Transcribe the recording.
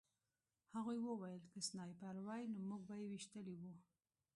هغوی وویل که سنایپر وای نو موږ به یې ویشتلي وو